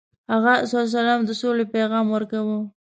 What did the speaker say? هغه ﷺ د سولې پیغام ورکاوه.